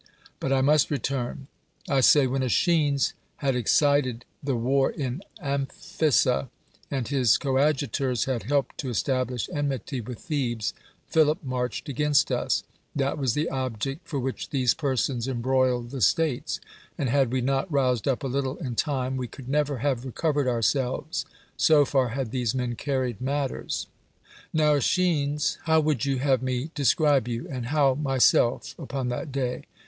But I must return. — I say, when .Kschiues had excited the 163 THE WORLD'S FAMOUS ORATIONS war in Amphissa, and his coadjutors had helped to establish enmity with Thebes, Philip marched against us— that was the object for which these persons embroiled the states — and had we not roused up a little in time, we could never have re covered ourselves : so far had these men carried matters. Now, ^schines, how would you have me de scribe you, and how myself, upon that day?